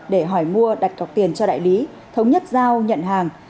để hỏi mua đặt cọc tiền cho đại lý thống nhất giao nhận hàng